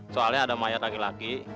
soalnya ada mayat laki laki